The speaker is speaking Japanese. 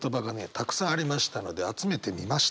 たくさんありましたので集めてみました。